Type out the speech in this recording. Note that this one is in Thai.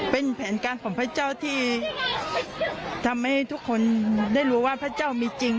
เป็นแผนการของพระเจ้าที่ทำให้ทุกคนได้รู้ว่าพระเจ้ามีจริง